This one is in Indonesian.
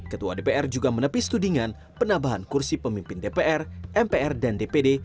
ketua dpr juga menepis tudingan penambahan kursi pemimpin dpr mpr dan dpd